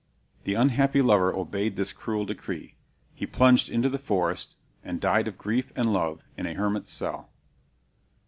The unhappy lover obeyed this cruel decree. He plunged into the forest, and died of grief and love in a hermit's cell.